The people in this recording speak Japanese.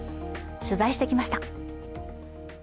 取材してきました。